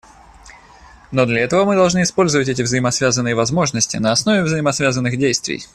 Но для этого мы должны использовать эти взаимосвязанные возможности на основе взаимосвязанных действий.